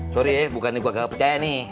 sorry ya bukan ini gua gak percaya nih